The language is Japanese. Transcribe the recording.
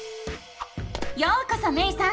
ようこそめいさん！